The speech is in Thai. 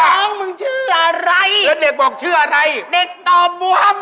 เมื่อชื่ออะไรเด็กบอกชื่ออะไรเด็กเนียงว่าเหมือนไหน